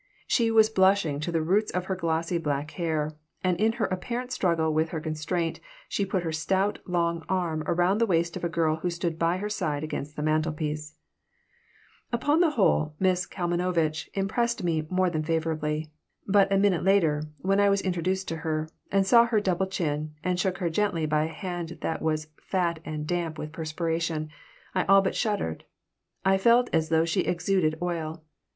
She was blushing to the roots of her glossy black hair, and in her apparent struggle with her constraint she put her stout, long arm around the waist of a girl who stood by her side against the mantelpiece Upon the whole, Miss Kalmanovitch impressed me more than favorably; but a minute later, when I was introduced to her and saw her double chin and shook her gently by a hand that was fat and damp with perspiration, I all but shuddered. I felt as though she exuded oil.